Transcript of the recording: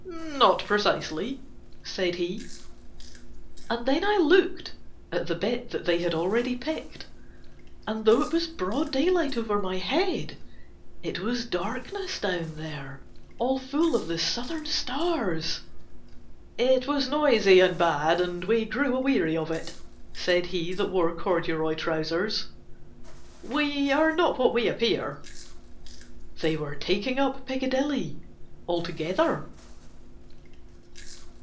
"Not precisely," said he. And then I looked at the bit that they had already picked, and though it was broad daylight over my head it was darkness down there, all full of the southern stars. "It was noisy and bad and we grew aweary of it," said he that wore corduroy trousers. "We are not what we appear." They were taking up Picadilly altogether.